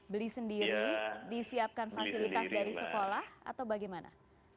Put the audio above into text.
beli sendiri disiapkan fasilitas dari sekolah atau bagaimana